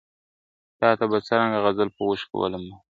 تاته به څرنګه غزل په اوښکو ولمبوم !.